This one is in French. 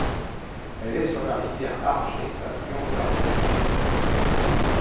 Elle est sur la rivière Arget, affluent de l'Ariège.